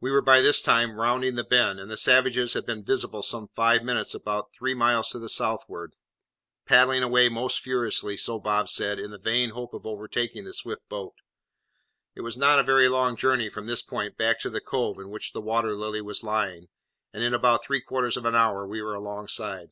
We were by this time rounding the point, and the savages had been visible some five minutes about three miles to the southward, paddling away most furiously, so Bob said, in the vain hope of overtaking the swift boat. It was not a very long journey from this point back to the cove in which the Water Lily was lying, and in about three quarters of an hour we were alongside.